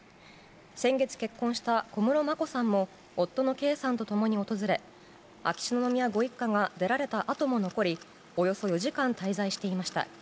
先月、結婚した小室眞子さんも夫の圭さんと共に訪れ秋篠宮ご一家が出られたあとも残りおよそ４時間滞在していました。